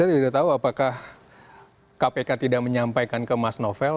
saya tidak tahu apakah kpk tidak menyampaikan ke mas novel